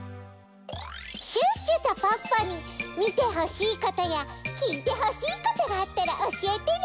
シュッシュとポッポにみてほしいことやきいてほしいことがあったらおしえてね！